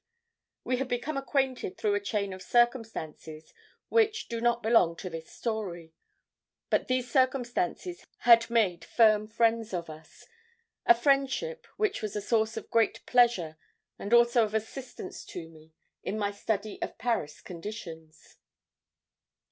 We had become acquainted through a chain of circumstances which do not belong to this story, but these circumstances had made firm friends of us, a friendship which was a source of great pleasure and also of assistance to me in my study of Paris conditions.